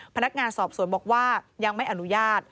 พนักงานสอบสวนบอกว่ายังไม่อนุญาต